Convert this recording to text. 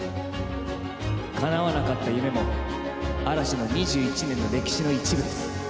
かなわなかった夢も嵐の２１年の歴史の一部です。